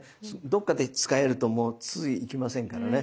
どっかでつかえるともう次行きませんからね。